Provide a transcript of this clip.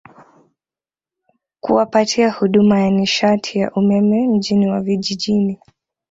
kuwapatia huduma ya nishati ya umeme mjini na vijijini